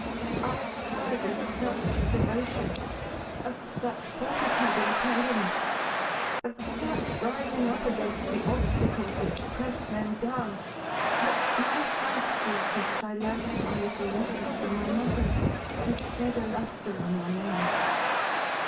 I have heard of such devotion, of such fortitude and tenderness, of such rising up against the obstacles which press men down, that my fancy, since I learnt my little lesson from my mother, has shed a lustre on your name.